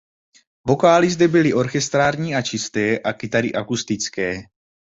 Vokály zde byly orchestrální a čisté a kytary akustické.